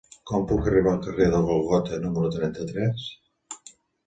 Com puc arribar al carrer del Gòlgota número trenta-tres?